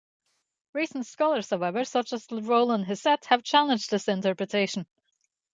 Recent scholars, however, such as Roland Hissette, have challenged this interpretation.